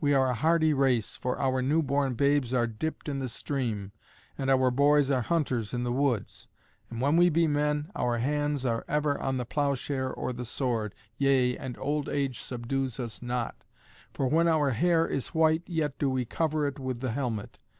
We are a hardy race, for our new born babes are dipped in the stream, and our boys are hunters in the woods; and when we be men our hands are ever on the ploughshare or the sword, yea, and old age subdues us not, for when our hair is white yet do we cover it with the helmet.